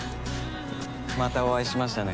またお会いしましたね。